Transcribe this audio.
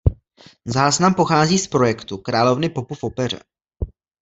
Záznam pochází z projektu "Královny popu v Opeře".